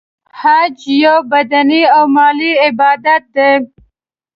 حج یو بدنې او مالی عبادت دی .